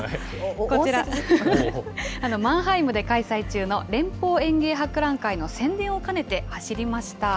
こちら、マンハイムで開催中の連邦園芸博覧会の宣伝を兼ねて走りました。